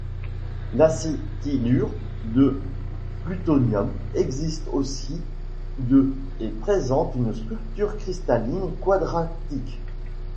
L'acétylure de plutonium existe au-dessus de et présente une structure cristalline quadratique.